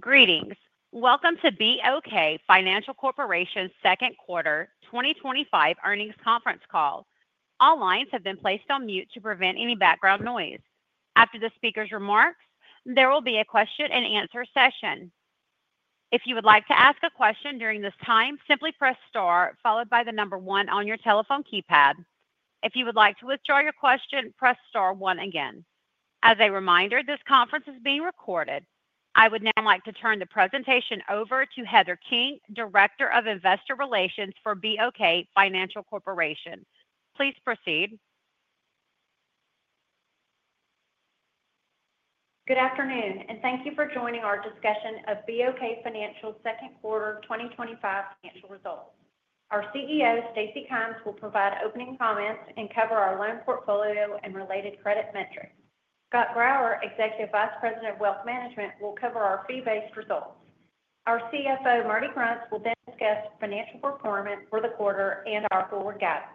Greetings. Welcome to BOK Financial Corporation's Second Quarter twenty twenty five Earnings Conference Call. All lines have been placed on mute to prevent any background noise. After the speakers' remarks, there will be a question and answer As a reminder, this conference is being recorded. I would now like to turn the presentation over to Heather King, Director of Investor Relations for BOK Financial Corporation. Please proceed. Good afternoon, and thank you for joining our discussion of BOK Financial's second quarter twenty twenty five financial results. Our CEO, Stacy Kymes, will provide opening comments and cover our loan portfolio and related credit metrics. Scott Brower, Executive Vice President of Wealth Management, will cover our fee based results. Our CFO, Marty Grunst, will then discuss financial performance for the quarter and our forward guidance.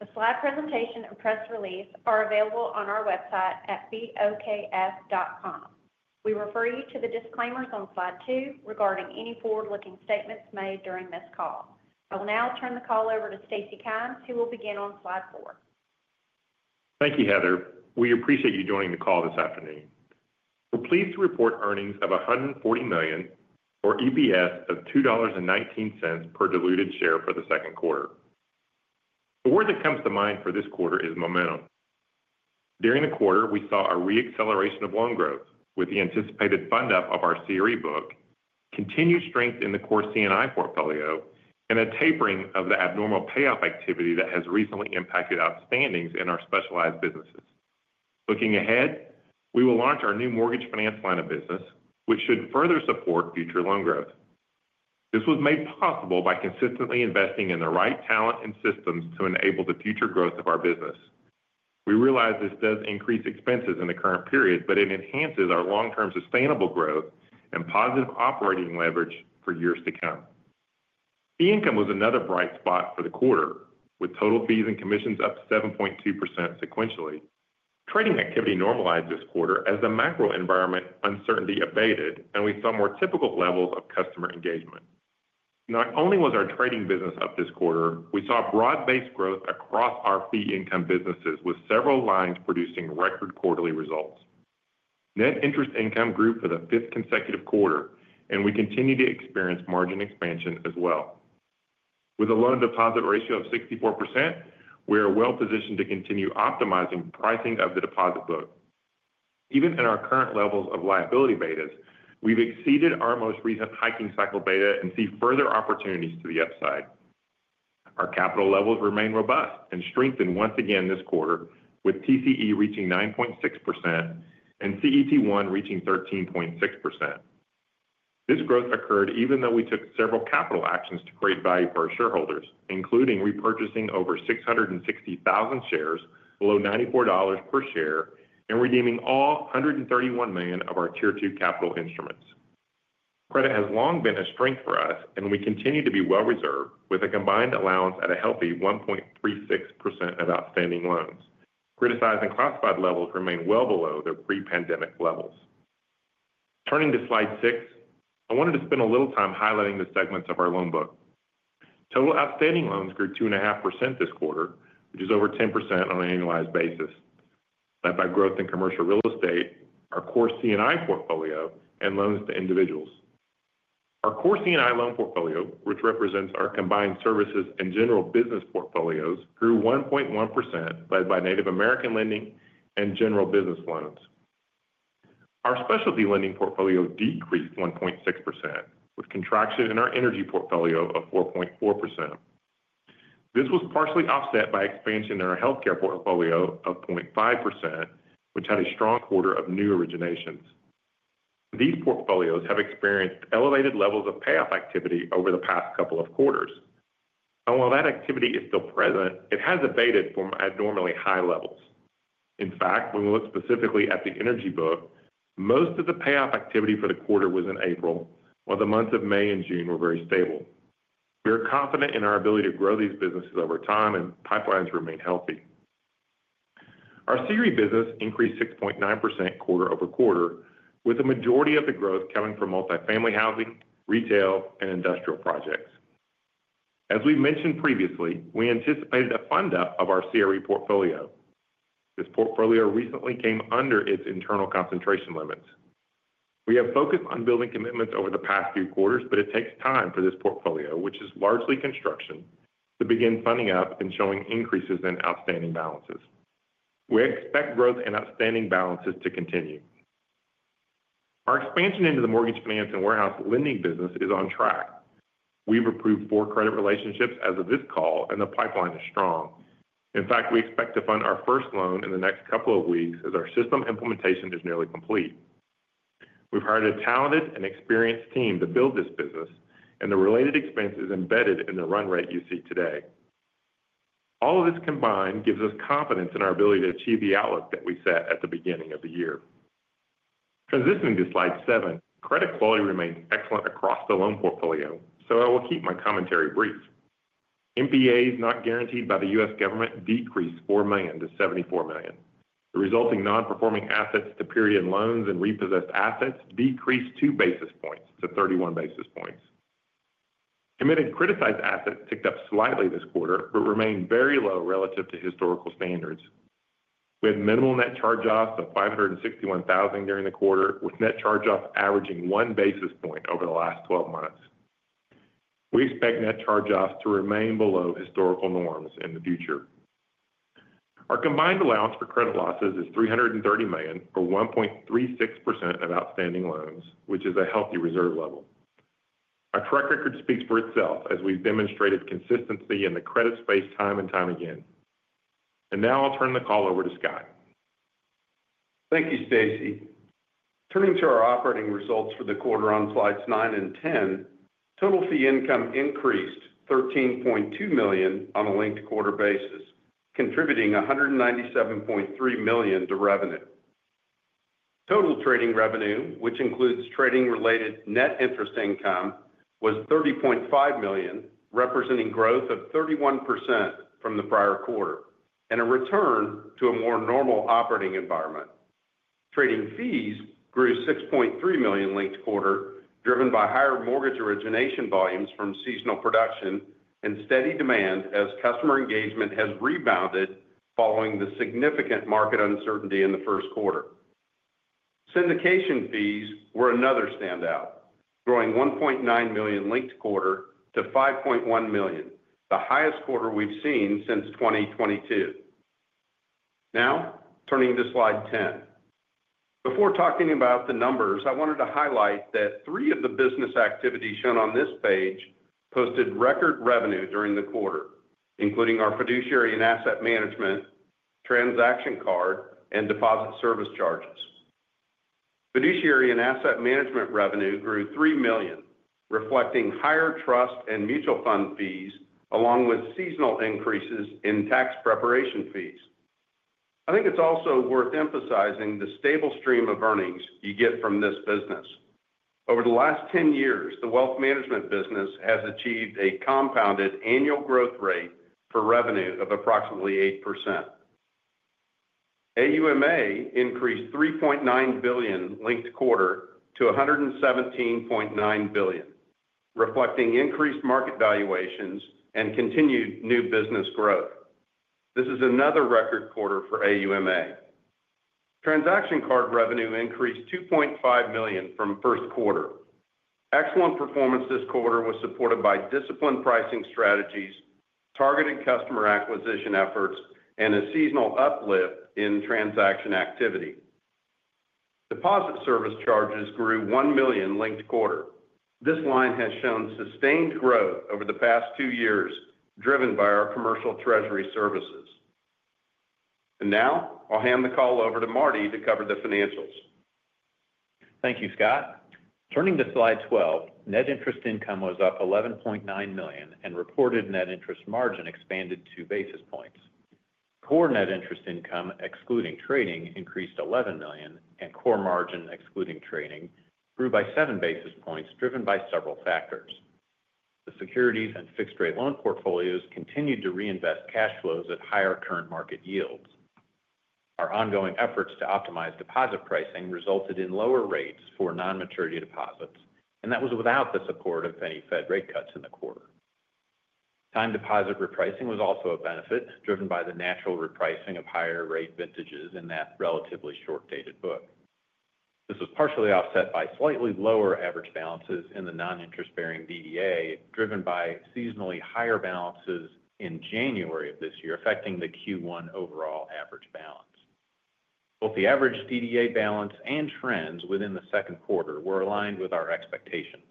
The slide presentation and press release are available on our website at boks.com. We refer you to the disclaimers on Slide two regarding any forward looking statements made during this call. I will now turn the call over to Stacy Kymes, who will begin on Slide four. Thank you, Heather. We appreciate you joining the call this afternoon. We're pleased to report earnings of 140,000,000 or EPS of $2.19 per diluted share for the second quarter. The word that comes to mind for this quarter is momentum. During the quarter, we saw a reacceleration of loan growth with the anticipated fund up of our CRE book, continued strength in the core C and I portfolio and a tapering of the abnormal payoff activity that has recently impacted outstandings in our specialized businesses. Looking ahead, we will launch our new mortgage finance line of business, which should further support future loan growth. This was made possible by consistently investing in the right talent and systems to enable the future growth of our business. We realize this does increase expenses in the current period, but it enhances our long term sustainable growth and positive operating leverage for years to come. Fee income was another bright spot for the quarter with total fees and commissions up 7.2% sequentially. Trading activity normalized this quarter as the macro environment uncertainty abated and we saw more typical levels of customer engagement. Not only was our trading business up this quarter, we saw broad based growth across our fee income businesses with several lines producing record quarterly results. Net interest income grew for the fifth consecutive quarter and we continue to experience margin expansion as well. With a loan to deposit ratio of 64%, we are well positioned to continue optimizing pricing of the deposit book. Even in our current levels of liability betas, we've exceeded our most recent hiking cycle beta and see further opportunities to the upside. Our capital levels remain robust and strengthened once again this quarter with TCE reaching 9.6% and CET1 reaching 13.6%. This growth occurred even though we took several capital actions to create value for our shareholders, including repurchasing over 660,000 shares below $94 per share and redeeming all $131,000,000 of our Tier two capital instruments. Credit has long been a strength for us and we continue to be well reserved with a combined allowance at a healthy 1.36% of outstanding loans. Criticized and classified levels remain well below their pre pandemic levels. Turning to Slide six. I wanted to spend a little time highlighting the segments of our loan book. Total outstanding loans grew 2.5% this quarter, which is over 10% on an annualized basis, led by growth in commercial real estate, our core C and I portfolio and loans to individuals. Our core C and I loan portfolio, which represents our combined services and general business portfolios, grew 1.1% led by Native American lending and general business loans. Our specialty lending portfolio decreased 1.6% with contraction in our energy portfolio of 4.4%. This was partially offset by expansion in our health care portfolio of 0.5%, which had a strong quarter of new originations. These portfolios have experienced elevated levels of payoff activity over the past couple of quarters. And while that activity is still present, it has abated from abnormally high levels. In fact, when we look specifically at the Energy book, most of the payoff activity for the quarter was in April, while the months of May and June were very stable. We are confident in our ability to grow these businesses over time and pipelines remain healthy. Our CRE business increased 6.9% quarter over quarter with the majority of the growth coming from multifamily housing, retail and industrial projects. As we mentioned previously, we anticipated a fund up of our CRE portfolio. This portfolio recently came under its internal concentration limits. We have focused on building commitments over the past few quarters, but it takes time for this portfolio, which is largely construction, to begin funding up and showing increases in outstanding balances. We expect growth in outstanding balances to continue. Our expansion into the mortgage finance and warehouse lending business is on track. We've approved four credit relationships as of this call and the pipeline is strong. In fact, we expect to fund our first loan in the next couple of weeks as our system implementation is nearly complete. We've hired a talented and experienced team to build this business and the related expenses embedded in the run rate you see today. All of this combined gives us confidence in our ability to achieve the outlook that we set at the beginning of the year. Transitioning to Slide seven, credit quality remains excellent across the loan portfolio, so I will keep my commentary brief. NPAs not guaranteed by the U. S. Government decreased $4,000,000 to $74,000,000 The resulting nonperforming assets to period loans and repossessed assets decreased two basis points to 31 basis points. Committed criticized assets ticked up slightly this quarter, but remained very low relative to historical standards. We had minimal net charge offs of 561,000 during the quarter with net charge offs averaging one basis point over the last twelve months. We expect net charge offs to remain below historical norms in the future. Our combined allowance for credit losses is $330,000,000 or 1.36 percent of outstanding loans, which is a healthy reserve level. Our track record speaks for itself as we've demonstrated consistency in the credit space time and time again. And now I'll turn the call over to Scott. Thank you, Stacy. Turning to our operating results for the quarter on Slides nine and ten. Total fee income increased $13,200,000 on a linked quarter basis contributing $197,300,000 to revenue. Total trading revenue, which includes trading related net interest income was $30,500,000 representing growth of 31 from the prior quarter and a return to a more normal operating environment. Trading fees grew $6,300,000 linked quarter driven by higher mortgage origination volumes from seasonal production and steady demand as customer engagement has rebounded following the significant market uncertainty in the first quarter. Syndication fees were another standout, growing 1,900,000.0 linked quarter to 5,100,000.0, the highest quarter we've seen since 2022. Now turning to slide 10. Before talking about the numbers, I wanted to highlight that three of the business activities shown on this page posted record revenue during the quarter, including our fiduciary and asset management, transaction card, and deposit service charges. Fiduciary and asset management revenue grew $3,000,000 reflecting higher trust and mutual fund fees along with seasonal increases in tax preparation fees. I think it's also worth emphasizing the stable stream of earnings you get from this business. Over the last ten years, the wealth management business has achieved a compounded annual growth rate for revenue of approximately 8%. AUMA increased 3,900,000,000.0 linked quarter to 117,900,000,000.0 reflecting increased market valuations and continued new business growth. This is another record quarter for AUMA. Transaction card revenue increased $2,500,000 from first quarter. Excellent performance this quarter was supported by disciplined pricing strategies, targeted customer acquisition efforts, and a seasonal uplift in transaction activity. Deposit service charges grew 1,000,000 linked quarter. This line has shown sustained growth over the past two years driven by our commercial treasury services. And now I'll hand the call over to Marty to cover the financials. Thank you, Scott. Turning to slide 12, net interest income was up $11,900,000 and reported net interest margin expanded two basis points. Core net interest income excluding trading increased $11,000,000 and core margin excluding trading grew by seven basis points driven by several factors. The securities and fixed rate loan portfolios continued to reinvest cash flows at higher current market yields. Our ongoing efforts to optimize deposit pricing resulted in lower rates for non maturity deposits and that was without the support of any Fed rate cuts in the quarter. Time deposit repricing was also a benefit driven by the natural repricing of higher rate vintages in that relatively short dated book. This was partially offset by slightly lower average balances in the non interest bearing DDA driven by seasonally higher balances in January affecting the Q1 overall average balance. Both the average DDA balance and trends within the second quarter were aligned with our expectations.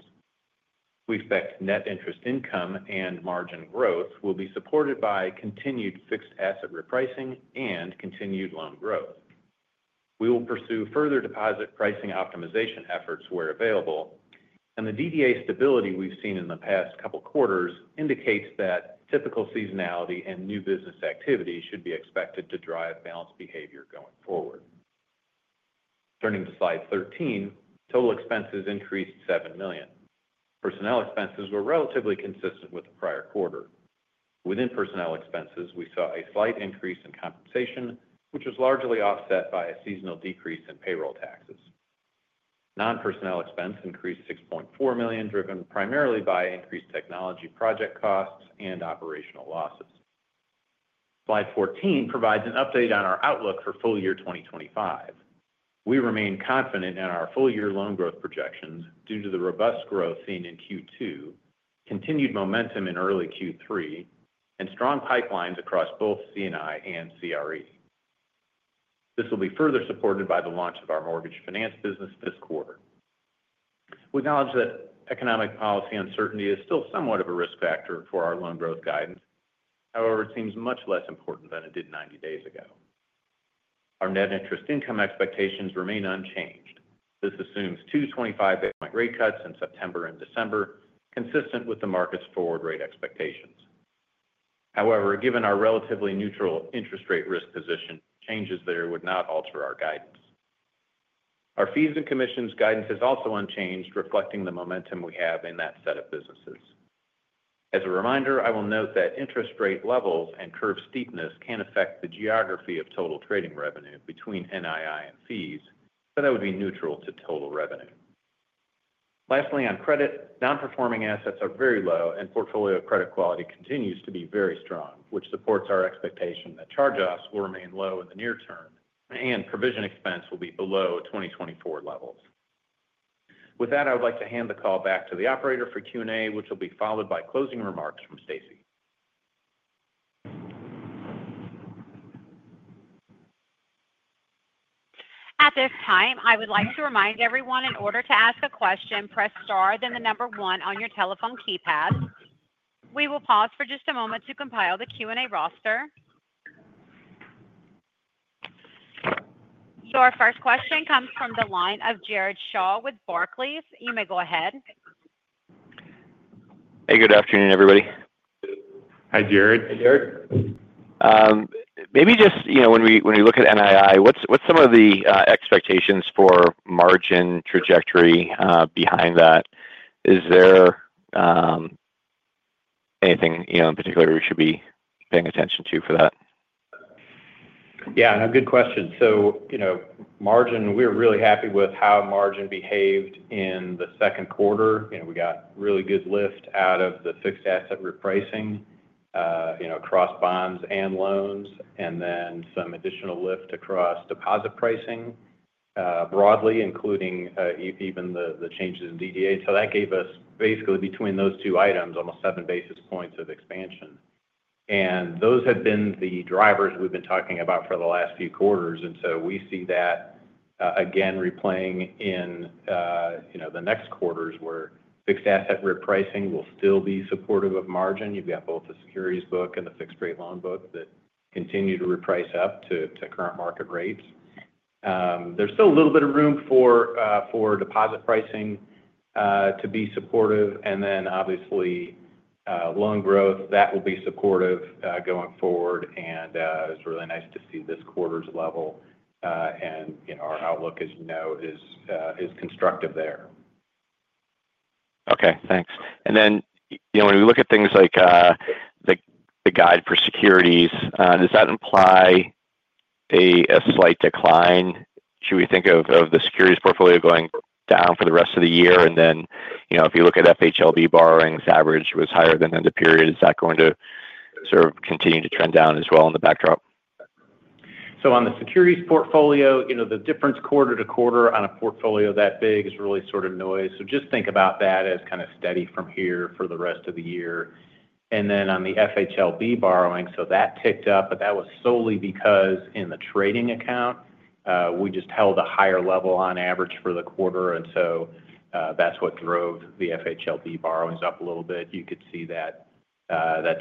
We expect net interest income and margin growth will be supported by continued fixed asset repricing and continued loan growth. We will pursue further deposit pricing optimization efforts where available and the DDA stability we've seen in the past couple of quarters indicates that typical seasonality and new business activity should be expected to drive balanced behavior going forward. Turning to Slide 13, total expenses increased $7,000,000 Personnel expenses were relatively consistent with the prior quarter. Within personnel expenses, we saw a slight increase in compensation, which was largely offset by a seasonal decrease in payroll taxes. Non personnel expense increased $6,400,000 driven primarily by increased technology project costs and operational losses. Slide 14 provides an update on our outlook for full year 2025. We remain confident in our full year loan growth projections due to the robust growth seen in Q2, continued momentum in early Q3 and strong pipelines across both C and I and CRE. This will be further supported by the launch of our mortgage finance business this quarter. We acknowledge that economic policy uncertainty is still somewhat of a risk factor for our loan growth guidance. However, it seems much less important than it did ninety days ago. Our net interest income expectations remain unchanged. This assumes two twenty five basis point rate cuts in September and December, consistent with the market's forward rate expectations. However, given our relatively neutral interest rate risk position, changes there would not alter our guidance. Our fees and commissions guidance is also unchanged, reflecting the momentum we have in that set of businesses. As a reminder, will note that interest rate levels and curve steepness can affect the geography of total trading revenue between NII and fees, but that would be neutral to total revenue. Lastly, on credit, nonperforming assets are very low and portfolio credit quality continues to be very strong, which supports our expectation that charge offs will remain low in the near term and provision expense will be below twenty twenty four levels. With that, I would like to hand the call back to the operator for Q and A, which will be followed by closing remarks from Stacy. So our first question comes from the line of Jared Shaw with Barclays. You may go ahead. Hey, good afternoon, everybody. Hi, Jared. Hi, Jared. Maybe just when we look at NII, what's some of the expectations for margin trajectory behind that? Is there anything in particular we should be paying attention to for that? Yes. Good question. So margin, we're really happy with how margin behaved in the second quarter. We got really good lift out of the fixed asset repricing you know, across bonds and loans and then some additional lift across deposit pricing broadly, including even the the changes in DDA. So that gave us basically between those two items, almost seven basis points of expansion. And those have been the drivers we've been talking about for the last few quarters. And so we see that, again, replaying in, you know, the next quarters where fixed asset repricing will still be supportive of margin. You've got both the securities book and the fixed rate loan book that continue to reprice up to to current market rates. There's still a little bit of room for for deposit pricing to be supportive. And then obviously, loan growth that will be supportive going forward. And it's really nice to see this quarter's level. And our outlook as you know is constructive there. Okay. Thanks. And then when we look at things like the guide for securities, does that imply a slight decline? Should we think of the securities portfolio going down for the rest of the year? And then if you look at FHLB borrowings, average was higher than in the period, is that going to sort of continue to trend down as well in the backdrop? So on the securities portfolio, the difference quarter to quarter on a portfolio that big is really sort of noise. So just think about that as kind of steady from here for the rest of the year. And then on the FHLB borrowings, so that ticked up, but that was solely because in the trading account, we just held a higher level on average for the quarter. And so that's what drove the FHLB borrowings up a little bit. You could see that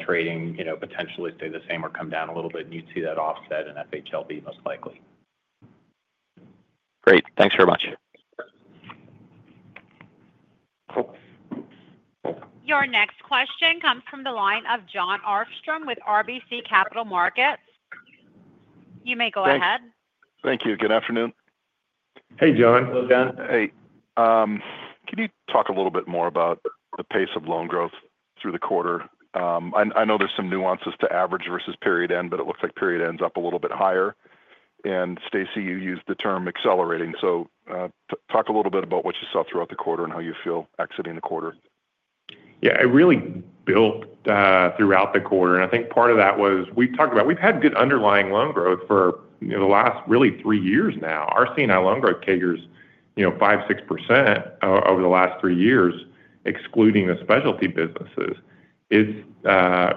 trading, you know, potentially stay the same or come down a little bit. You'd see that offset in FHLB most likely. Great. Thanks very much. Your next question comes from the line of Jon Arfstrom with RBC Capital Markets. You may go ahead. Thank you. Good afternoon. Hey, John. Hello, John. Hey. Could you talk a little bit more about the pace of loan growth through the quarter? I I know there's some nuances to average versus period end, but it looks like period ends up a little bit higher. And Stacy, you used the term accelerating. So talk a little bit about what you saw throughout the quarter and how you feel exiting the quarter. Yes. It really built throughout the quarter. And I think part of that was we talked about we've had good underlying loan growth for the last really three years now. Our C and I loan growth CAGRs 5%, 6% over the last three years, excluding the specialty businesses. It's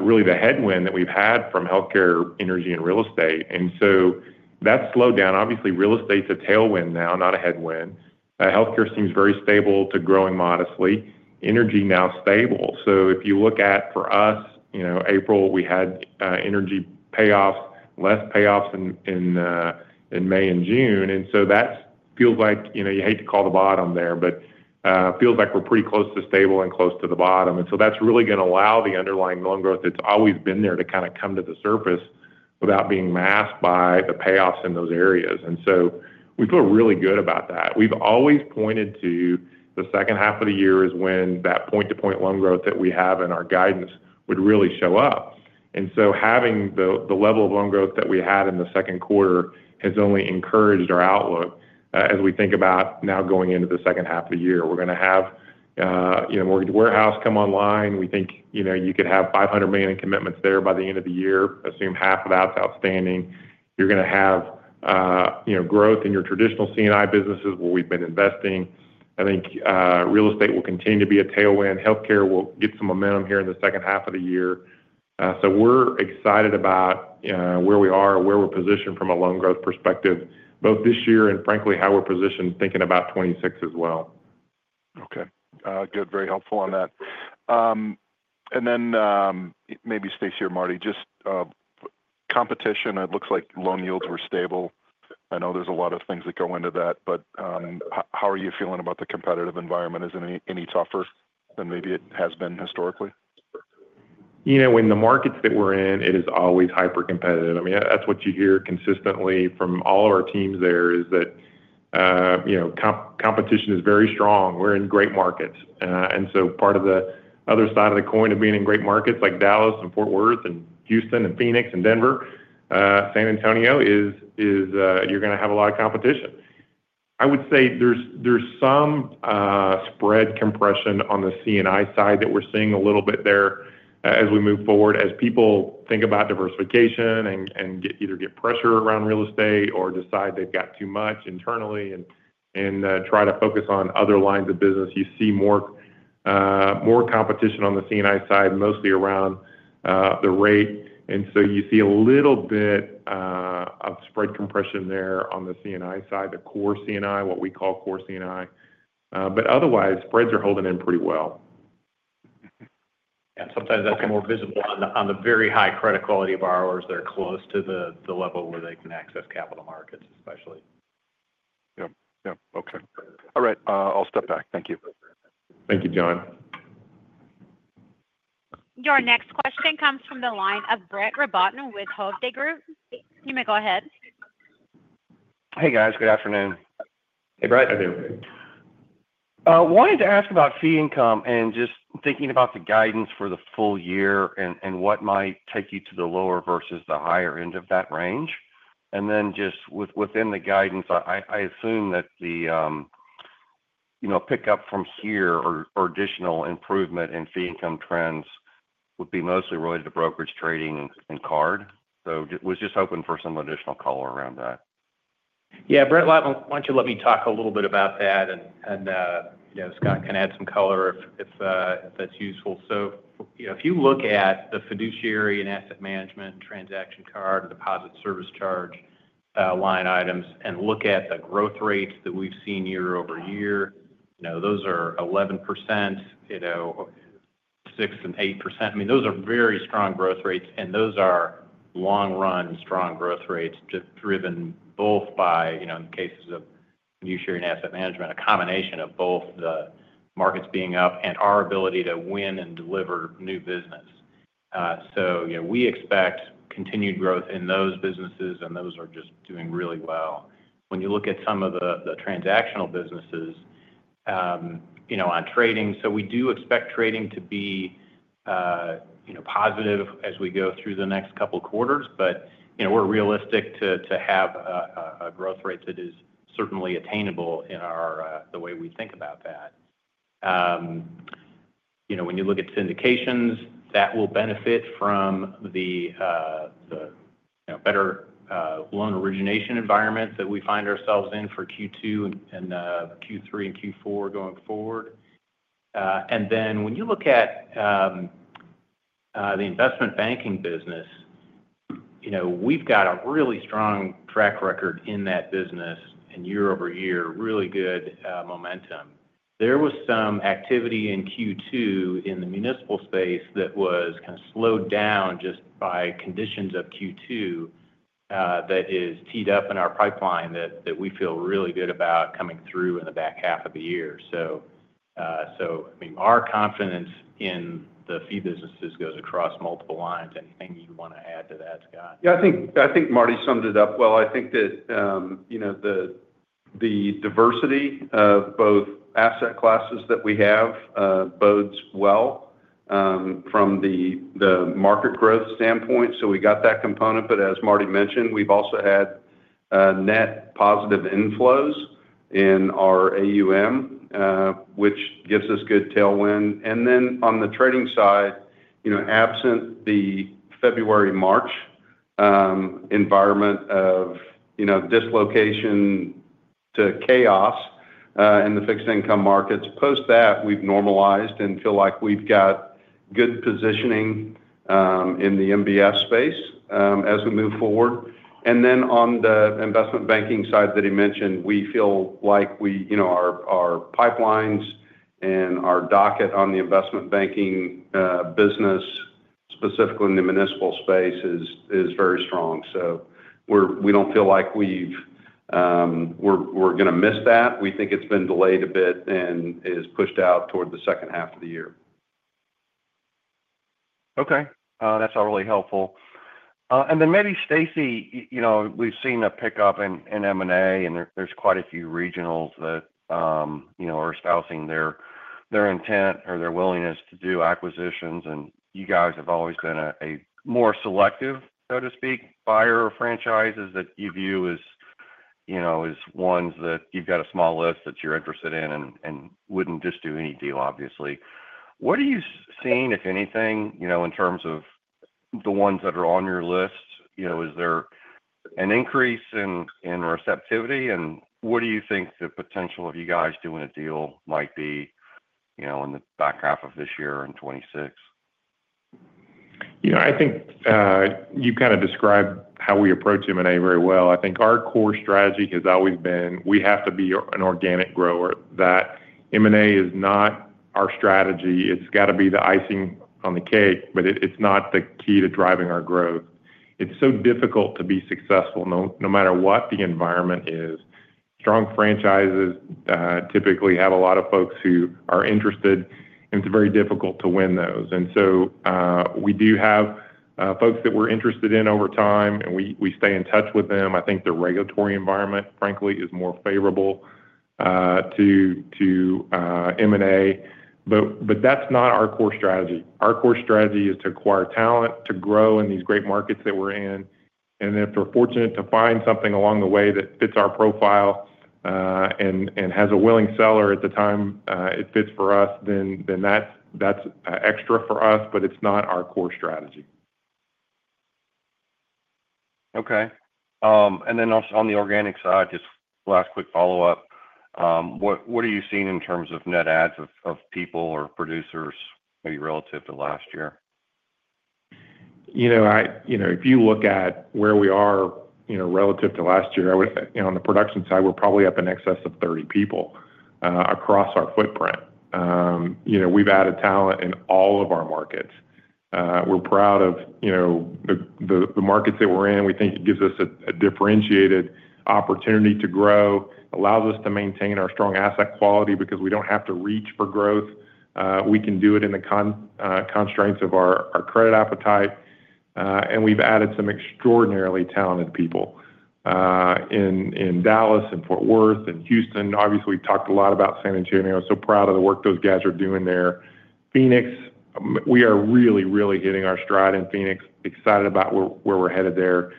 really the headwind that we've had from health care, energy and real estate. And so that slowed down. Obviously, real estate is a tailwind now, not a headwind. Health care seems very stable to growing modestly. Energy now stable. So if you look at, for us, April, we had energy payoffs, less payoffs in May and June. And so that feels like you hate to call the bottom there, but feels like we're pretty close to stable and close to the bottom. And so that's really going to allow the underlying loan growth that's always been there to kind of come to the surface without being masked by the payoffs in those areas. And so we feel really good about that. We've always pointed to the second half of the year is when that point to point loan growth that we have in our guidance would really show up. And so having the level of loan growth that we had in the second quarter has only encouraged our outlook as we think about now going into the second half of the year. We're going to have mortgage warehouse come online. We think you could have $500,000,000 in commitments there by the end of the year, assume half of that is outstanding. You're going to have growth in your traditional C and I businesses where we've been investing. I think real estate will continue to be a tailwind. Healthcare will get some momentum here in the second half of the year. So we're excited about where we are and where we're positioned from a loan growth perspective both this year and frankly how we're positioned thinking about 2026 as well. Okay. Good. Very helpful on that. And then maybe, Stacy or Marty, just competition, it looks like loan yields were stable. I know there's a lot of things that go into that, but how are you feeling about the competitive environment? Is it any tougher than maybe it has been historically? In the markets that we're in, it is always hypercompetitive. Mean, that's what you hear consistently from all of our teams there is that competition is very strong. We're in great markets. And so part of the other side of the coin of being in great markets like Dallas and Fort Worth and Houston and Phoenix and Denver, San Antonio is you're going to have a lot of competition. I would say there's some spread compression on the C and I side that we're seeing a little bit there as we move forward. As people think about diversification and either get pressure around real estate or decide they've got too much internally and try to focus on other lines of business, you see more competition on the C and I side mostly around the rate. And so you see a little bit of spread compression there on the C and I side, the core C and I, what we call core C and I. But otherwise, spreads are holding in pretty well. And sometimes that's more visible on the very high credit quality borrowers that are close to the level where they can access capital markets, especially. Yep. Yep. Okay. All right. I'll step back. Thank you. Thank you, John. Your next question comes from the line of Brett Rabatin with Hovde Group. You may go ahead. Hey, guys. Good afternoon. Hey, Brett. How are you? Wanted to ask about fee income and just thinking about the guidance for the full year and and what might take you to the lower versus the higher end of that range. And then just with within the guidance, I I assume that the, you know, pickup from here or or additional improvement in fee income trends would be mostly related to brokerage trading and card. So just was just hoping for some additional color around that. Yeah. Brett, why don't you let me talk a little bit about that and you know, Scott can add some color if if that's useful. So, you know, if you look at the fiduciary and asset management transaction card, deposit service charge line items and look at the growth rates that we've seen year over year, you know, those are 11%, you know, 68%. I mean, those are very strong growth rates, and those are long run strong growth rates driven both by, you know, in cases of new share and asset management, a combination of both the markets being up and our ability to win and deliver new business. So we expect continued growth in those businesses and those are just doing really well. When you look at some of the transactional businesses, know, on trading, so we do expect trading to be, positive as we go through the next couple of quarters, but we're realistic to have a growth rate that is certainly attainable in our the way we think about that. When you look at syndications, that will benefit from the better loan origination environment that we find ourselves in for Q2 and Q3 and Q4 going forward. And then when you look at the investment banking business, you know, we've got a really strong track record in that business and year over year really good momentum. There was some activity in q two in the municipal space that was kinda slowed down just by conditions of q two that is teed up in our pipeline that that we feel really good about coming through in the back half of the year. So So I mean, our confidence in the fee businesses goes across multiple lines. Anything you want to add to that, Scott? Yes. I think Marty summed it up well. I think that the diversity of both asset classes that we have bodes well from the market growth standpoint. So we got that component. But as Marty mentioned, we've also had net positive inflows in our AUM, which gives us good tailwind. And then on the trading side, absent the February, March environment of dislocation to chaos in the fixed income markets. Post that, we've normalized and feel like we've got good positioning in the MBS space as we move forward. And then on the investment banking side that he mentioned, we feel like we our pipelines and our docket on the investment banking business, specifically in the municipal space, is very strong. So we don't feel like we're going to miss that. We think it's been delayed a bit and is pushed out toward the second half of the year. Okay. That's all really helpful. And then maybe, Stacy, we've seen a pickup in m and a, and there there's quite a few regionals that, you know, are spousing their their intent or their willingness to do acquisitions. And you guys have always been a a more selective, so to speak, buyer or franchises that you view as, you know, as ones that you've got a small list that you're interested in and and wouldn't just do any deal, obviously. What are you seeing, if anything, you know, in terms of the ones that are on your list? You know, is there an increase in receptivity? And what do you think the potential of you guys doing a deal might be in the back half of this year in 'twenty six? I think you kind of described how we approach M and A very well. I think our core strategy has always been we have to be an organic grower. That M and A is not our strategy. It's got to be the icing on the cake, but it's not the key to driving our growth. It's so difficult to be successful no matter what the environment is. Strong franchises typically have a lot of folks who are interested and it's very difficult to win those. And so we do have folks that we're interested in over time and we stay in touch with them. I think the regulatory environment frankly is more favorable to M and A. But that's not our core strategy. Our core strategy is to acquire talent, to grow in these great markets that we're in. And if we're fortunate to find something along the way that fits our profile and has a willing seller at the time it fits for us, that's extra for us, but it's not our core strategy. Okay. And then also on the organic side, just last quick follow-up. What are you seeing in terms of net adds of people or producers maybe relative to last year? If you look at where we are relative to last year, on the production side, we're probably up in excess of 30 people across our footprint. We've added talent in all of our markets. We're proud of the markets that we're in. We think it gives us a differentiated opportunity to grow, allows us to maintain our strong asset quality because we don't have to reach for growth. We can do it in the constraints of our credit appetite. And we've added some extraordinarily talented people in Dallas and Fort Worth and Houston. Obviously, talked a lot about San Antonio. So proud of the work those guys are doing there. Phoenix, we are really, really hitting our stride in Phoenix, excited about where we're headed there.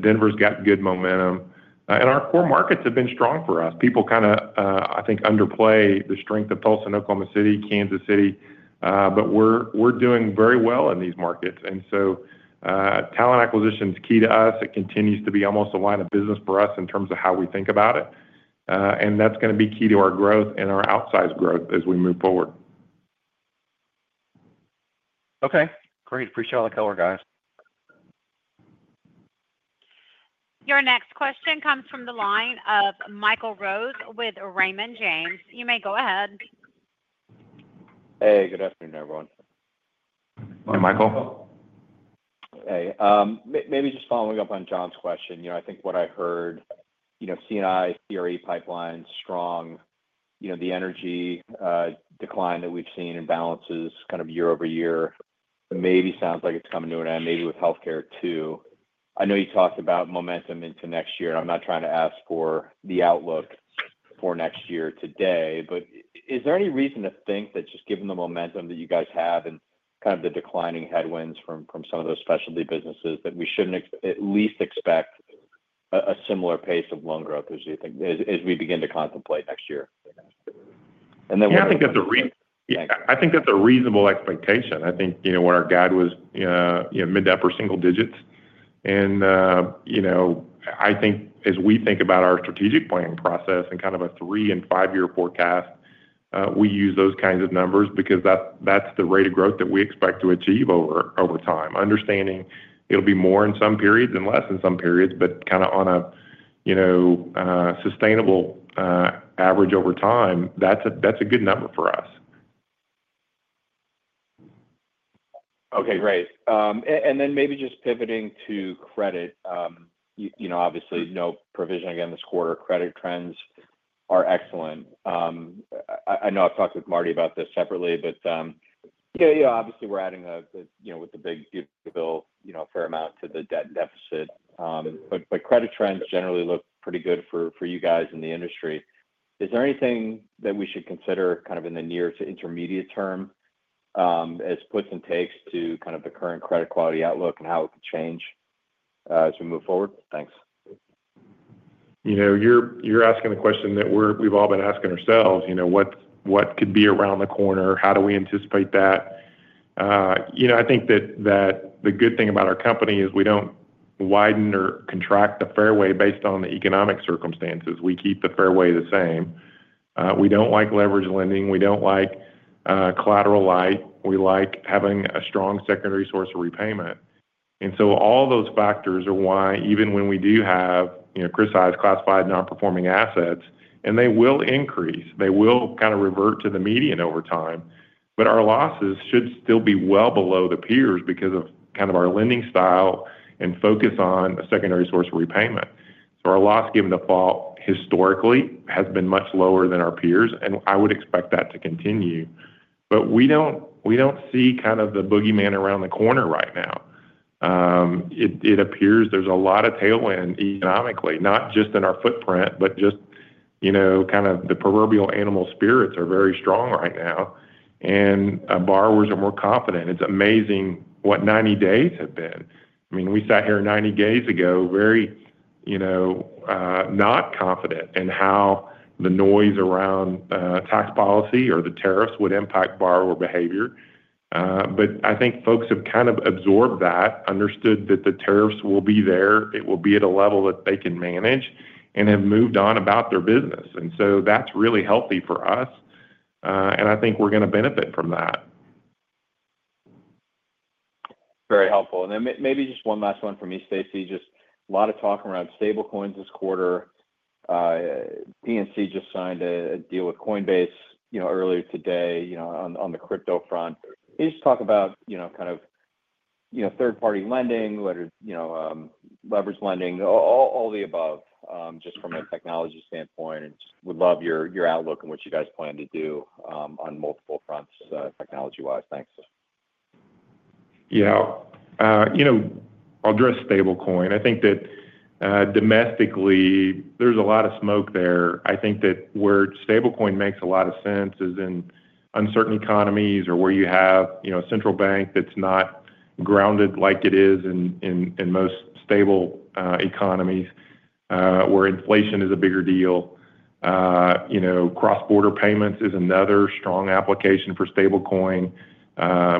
Denver has got good momentum. And our core markets have been strong for us. People kind of, I think, underplay the strength of Tulsa and Oklahoma City, Kansas City. But we're doing very well in these markets. And so talent acquisition is key to us. It continues to be almost a line of business for us in terms of how we think about it. And that's going to be key to our growth and our outsized growth as we move forward. Okay. Great. Appreciate all the color, guys. Your next question comes from the line of Michael Rose with Raymond James. You may go ahead. Hey. Good afternoon, everyone. Hey, Michael. Maybe just following up on John's question. You know, I think what I heard, you know, C and I, CRE pipeline strong. You know, the energy, decline that we've seen imbalances kind of year over year maybe sounds like it's coming to an end maybe with health care too. I know you talked about momentum into next year. I'm not trying to ask for the outlook for next year today, but is there any reason to think that just given the momentum that you guys have and kind of the declining headwinds from some of those specialty businesses that we shouldn't at least expect similar pace of loan growth as you think as we begin to contemplate next year? Then Yeah. Think that's a Yes. I think that's a reasonable expectation. I think what our guide was mid to upper single digits. And I think as we think about our strategic planning process and kind of a three and five year forecast, we use those kinds of numbers because that's the rate of growth that we expect to achieve over time, understanding it will be more in some periods and less in some periods, but kind of on a sustainable average over time, that's a good number for us. Okay. Great. And then maybe just pivoting to credit. Obviously, no provision again this quarter. Credit trends are excellent. I know I've talked with Marty about this separately, but, yeah. Yeah. Obviously, we're adding a you know, with the big bill, you know, fair amount to the debt deficit. But but credit trends generally look pretty good for for you guys in the industry. Is there anything that we should consider kind of in the near to intermediate term as puts and takes to kind of the current credit quality outlook and how it could change as we move forward? Thanks. You're asking a question that we've all been asking ourselves, what could be around the corner, how do we anticipate that. I think that the good thing about our company is we don't widen or contract the fairway based on the economic circumstances. We keep the fairway the same. We don't like leverage lending. We don't like collateral light. We like having a strong secondary source of repayment. And so all those factors are why even when we do have criticized classified non performing assets, and they will increase, they will kind of revert to the median over time, but our losses should still be well below the peers because of kind of our lending style and focus on a secondary source of repayment. So our loss given default historically has been much lower than our peers, and I would expect that to continue. But we see kind of the boogeyman around the corner right now. It appears there's a lot of tailwind economically, not just in our footprint but just kind of the proverbial animal spirits are very strong right now and borrowers are more confident. It's amazing what ninety days have been. I mean, we sat here ninety days ago very not confident in how the noise around tax policy or the tariffs would impact borrower behavior. But I think folks have kind of absorbed that, understood that the tariffs will be there, it will be at a level that they can manage and have moved on about their business. And so that's really healthy for us, and I think we're going to benefit from that. Very helpful. And then maybe just one last one for me, Stacy. Just a lot of talk around stablecoins this quarter. PNC just signed a deal with Coinbase, you know, earlier today, you know, on on the crypto front. Can you just talk about kind of third party lending, leverage lending, all the above, just from a technology standpoint? And just would love your outlook and what you guys plan to do, on multiple fronts technology wise. Thanks. Yes. I'll address stablecoin. I think that domestically, there's a lot of smoke there. I think that where stablecoin makes a lot of sense is in uncertain economies or where you have a central bank that's not grounded like it is in most stable economies where inflation is a bigger deal. Cross border payments is another strong application for Stablecoin.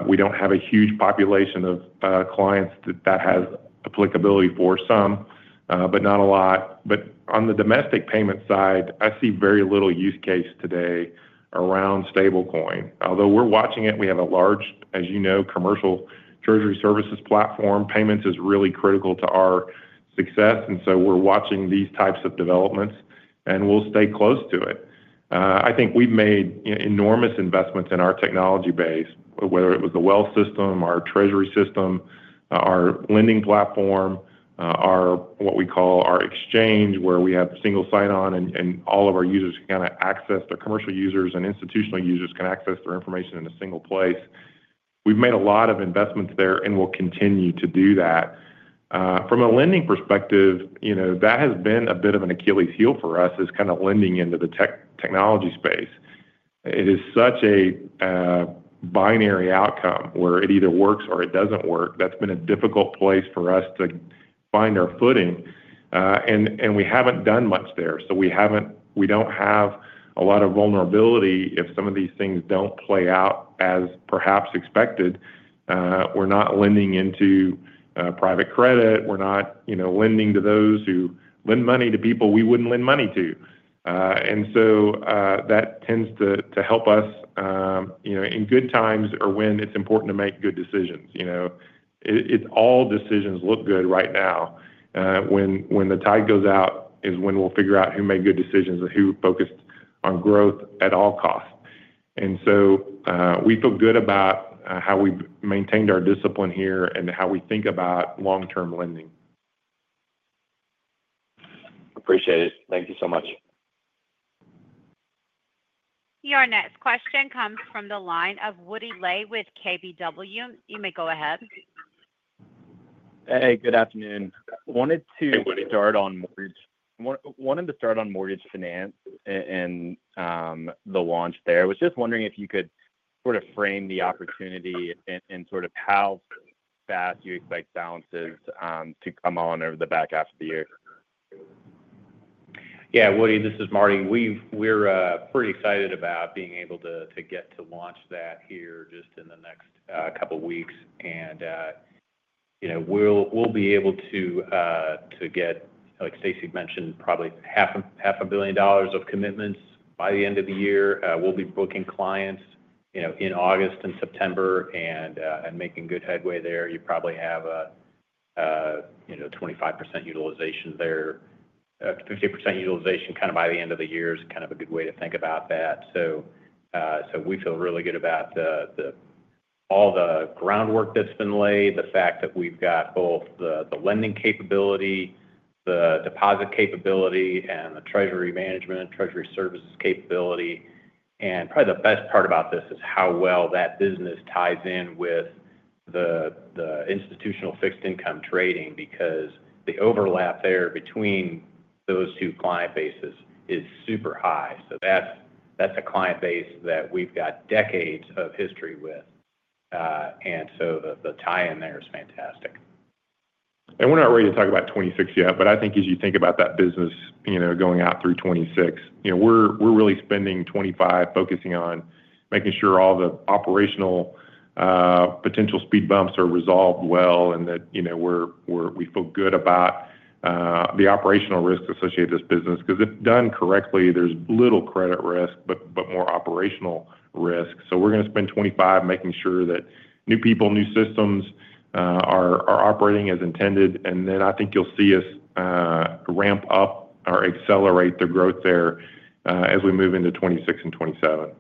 We don't have a huge population of clients that has applicability for some, but not a lot. But on the domestic payment side, I see very little use case today around stablecoin. Although we're watching it, we have a large, as you know, commercial treasury services platform. Payments is really critical to our success. And so we're watching these types of developments and we'll stay close to it. I think we've made enormous investments in our technology base, whether it was the wealth system, our treasury system, our lending platform, our what we call our exchange where we have single sign on and all of our users can kind of access the commercial users and institutional users can access their information in a single place. We've made a lot of investments there and we'll continue to do that. From a lending perspective, that has been a bit of an Achilles' heel for us is kind of lending into the technology space. It is such a binary outcome where it either works or it doesn't work. That's been a difficult place for us to find our footing. And we haven't done much there. So we haven't we don't have a lot of vulnerability if some of these things don't play out as perhaps expected. We're not lending into private credit. We're not lending to those who lend money to people we wouldn't lend money to. And so that tends to help us in good times or when it's important to make good decisions. All decisions look good right now. When the tide goes out is when we'll figure out who made good decisions and who focused on growth at all costs. And so we feel good about how we've maintained our discipline here and how we think about long term lending. Appreciate it. Thank you so much. Your next question comes from the line of Woody Lay with KBW. You may go ahead. Hey, good afternoon. I wanted to start mortgage finance and the launch there. I was just wondering if you could sort of frame the opportunity and sort of how fast you expect balances to come on over the back half of the year. Yeah. Woody, this is Marty. We've we're pretty excited about being able to to get to launch that here just in the next couple weeks. And, you know, we'll we'll be able to to get, like Stacy mentioned, probably half half a billion dollars of commitments by the end of the year. We'll be booking clients, you know, in August and September and and making good headway there. You probably have a, you know, 25% utilization there. 50 utilization kind of by the end of the year is kind of a good way to think about that. So so we feel really good about the the all the groundwork that's been laid, the fact that we've got both the the lending capability, the deposit capability, and the treasury management, treasury services capability. And probably the best part about this is how well that business ties in with the the institutional fixed income trading because the overlap there between those two client bases is super high. So that's that's a client base that we've got decades of history with. And so the the tie in there is fantastic. And we're not ready to talk about '26 yet, but I think as you think about that business, you know, going out through '26, we're really spending 25,000,000 focusing on making sure all the operational potential speed bumps are resolved well and that we feel good about the operational risks associated with this business. Because if done correctly, there's little credit risk but more operational risk. So we're going to spend 25,000,000 making sure that new people, new systems are operating as intended. And then I think you'll see us ramp up or accelerate the growth there as we move into 'twenty six and 'twenty seven.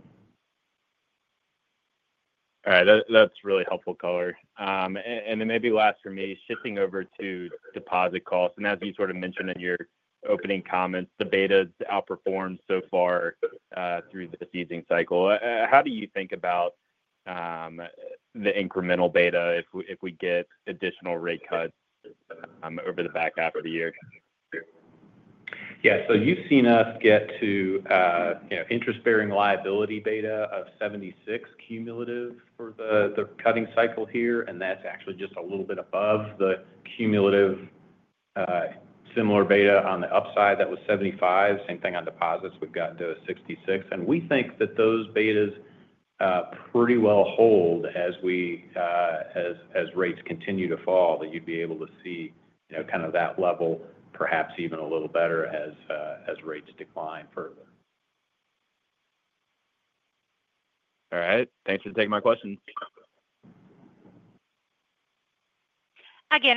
All right. That's really helpful color. And then maybe last for me, shifting over to deposit costs. And as you sort of mentioned in your opening comments, the beta outperformed so far through the season cycle. How do you think about the incremental beta if we get additional rate cut over the back half of the year? Yeah. So you've seen us get to, you know, interest bearing liability beta of 76 cumulative for the the cutting cycle here, and that's actually just a little bit above the cumulative similar beta on the upside that was 75. Same thing on deposits, we've gotten to 66. And we think that those betas pretty well hold as we as as rates continue to fall that you'd be able to see, you kind of that level perhaps even a little better as rates decline further. All right. Thanks for taking my questions.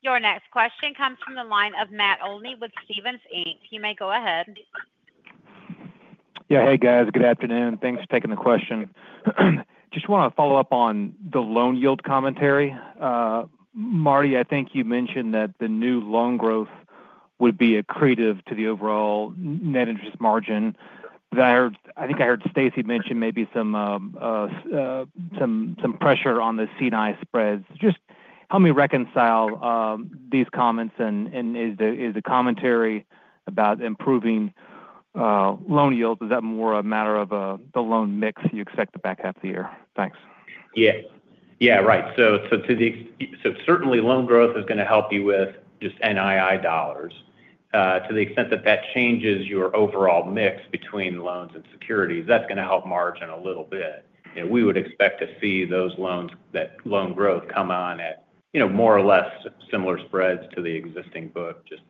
Your next question comes from the line of Matt Olney with Stephens Inc. You may go ahead. Yes. Hey, guys. Good afternoon. Thanks for taking the question. Just want to follow-up on the loan yield commentary. Marty, I think you mentioned that the new loan growth would be accretive to the overall net interest margin. I think I heard Stacy mention maybe some pressure on the C and I spreads. Just help me reconcile these comments and is the commentary about improving loan yields, is that more a matter of the loan mix you expect the back half of the year? Yes. Right. So certainly, loan growth is going to help you with just NII dollars. To the extent that that changes your overall mix between loans and securities, that's gonna help margin a little bit. And we would expect to see those loans that loan growth come on at, you know, more or less similar spreads to the existing book just,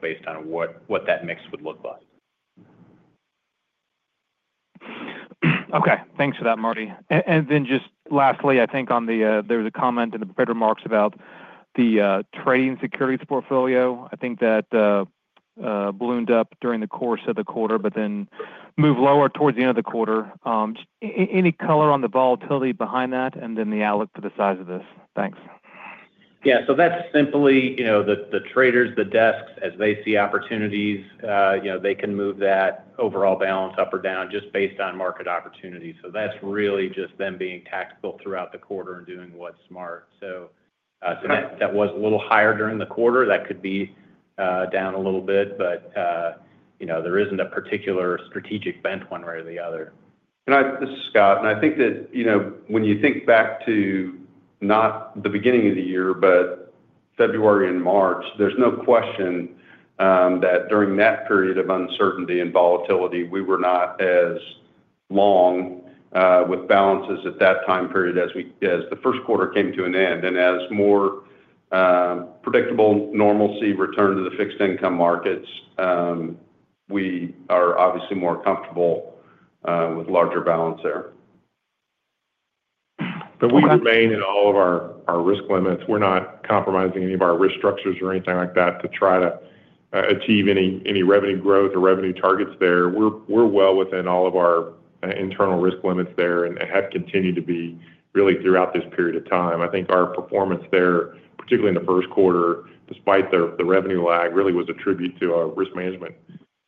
based on what that mix would look like. Okay. Thanks for that, Marty. And then just lastly, I think on the there was a comment in the prepared remarks about the trading securities portfolio. I think that ballooned up during the course of the quarter, but then moved lower towards the end of the quarter. Any color on the volatility behind that and then the outlook for the size of this? Thanks. Yes. So that's simply the traders, the desks, as they see opportunities, they can move that overall balance up or down just based on market opportunities. So that's really just them being tactical throughout the quarter and doing what's smart. That was a little higher during the quarter. That could be down a little bit, but, you know, there isn't a particular strategic bent one way or the other. And I this is Scott. And I think that, you know, when you think back to not the beginning of the year, but February and March, there's no question that during that period of uncertainty and volatility, we were not as long with balances at that time period as the first quarter came to an end. And as more predictable normalcy returned to the fixed income markets, we are obviously more comfortable with larger balance there. But we remain in all of our risk limits. We're not compromising any of our risk structures or anything like that to try to achieve any revenue growth or revenue targets there. We're well within all of our internal risk limits there and have continued to be really throughout this period of time. I think our performance there, particularly in the first quarter, despite the revenue lag, really was attributed to our risk management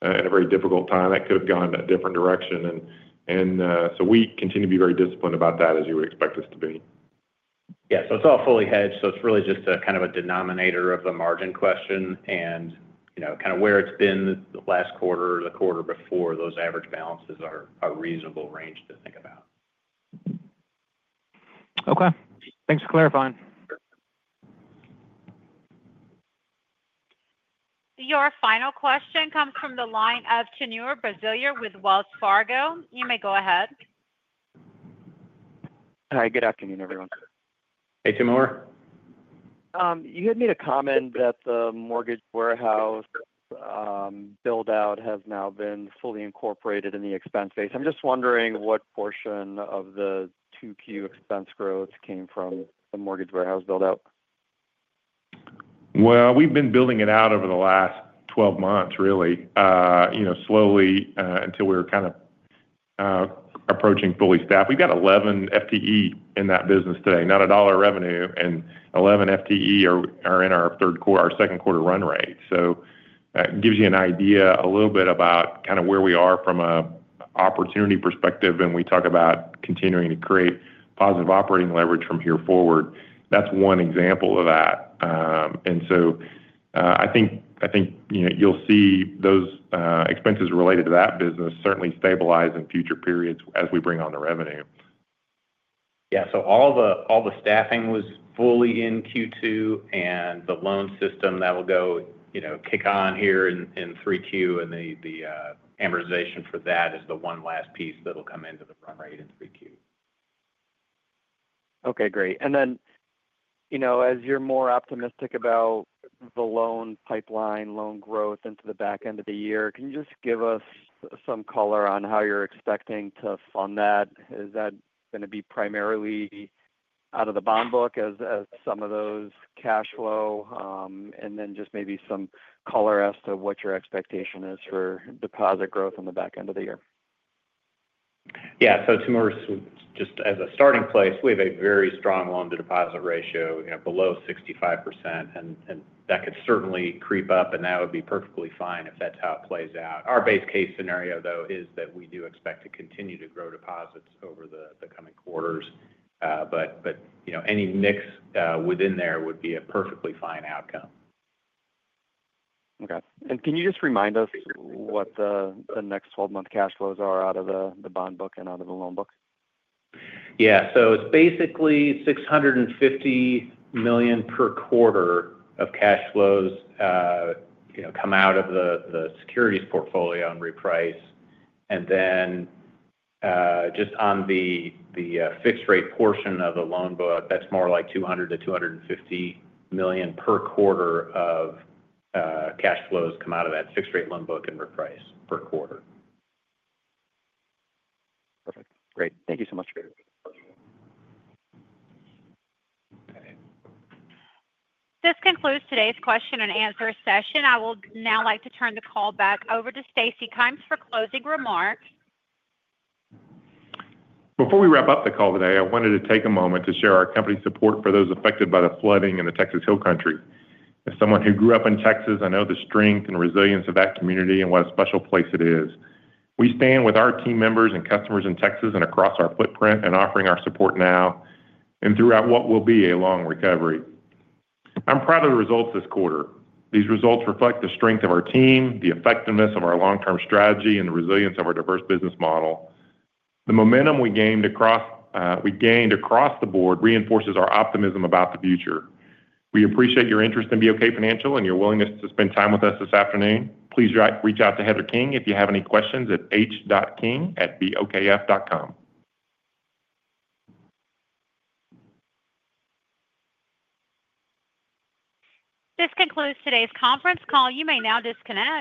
at a very difficult time that could have gone in a different direction. So we continue to be very disciplined about that as you would expect us to be. Yes. So it's all fully hedged. So it's really just kind of a denominator of the margin question and kind of where it's been the last quarter or the quarter before those average balances are a reasonable range to think about. Okay. Thanks for clarifying. Your final question comes from the line of Chinua Bazalier with Wells Fargo. You may go ahead. Hi. Good afternoon, everyone. Hey, Timur. You had made a comment that the mortgage warehouse build out has now been fully incorporated in the expense base. I'm just wondering what portion of the 2Q expense growth came from the mortgage warehouse build out? Well, we've been building it out over the last twelve months really slowly until we're kind of approaching fully staffed. We've got 11 FTE in that business today, not $1 revenue and 11 FTE are in our third quarter our second quarter run rate. So that gives you an idea a little bit about kind of where we are from an opportunity perspective and we talk about continuing to create positive operating leverage from here forward. That's one example of that. And so I think you'll see those expenses related to that business certainly stabilize in future periods as we bring on the revenue. Yes. So all the staffing was fully in Q2 and the loan system that will go kick on here in 3Q and the amortization for that is the one last piece that'll come into the run rate in March. Okay. Great. And then, you know, as you're more optimistic about the loan pipeline, loan growth into the back end of the year, can you just give us some color on how you're expecting to fund that? Is that going to be primarily out of the bond book as some of those cash flow? And then just maybe some color as to what your expectation is for deposit growth in the back end of the year? Yeah. So, Timur, just as a starting place, we have a very strong loan to deposit ratio, you know, below 65% and and that could certainly creep up and that would be perfectly fine if that's how it plays out. Our base case scenario though is that we do expect to continue to grow deposits over the the coming quarters. But but, you know, any mix within there would be a perfectly fine outcome. Okay. And can you just remind us what the next twelve month cash flows are out of the the bond book and out of the loan book? Yeah. So it's basically 650,000,000 per quarter of cash flows, you know, come out of the the securities portfolio and reprice. And then, just on the the fixed rate portion of the loan book, that's more like 200 to 250,000,000 per quarter of, cash flows come out of that fixed rate loan book and reprice per quarter. Perfect. Great. Thank you so much for your attention. This concludes today's question and answer session. I would now like to turn the call back over to Stacy Kymes for closing remarks. Before we wrap up the call today, I wanted to take a moment to share our company's support for those affected by the flooding in the Texas Hill Country. As someone who grew up in Texas, I know the strength and resilience of that community and what a special place it is. We stand with our team members and customers in Texas and across our footprint and offering our support now and throughout what will be a long recovery. I'm proud of the results this quarter. These results reflect the strength of our team, the effectiveness of our long term strategy and the resilience of our diverse business model. The momentum we gained across the board reinforces our optimism about the future. We appreciate your interest in BOK Financial and your willingness to spend time with us this afternoon. Please reach out to Heather King if you have any questions at h. Kingbokf dot com. This concludes today's conference call. You may now disconnect.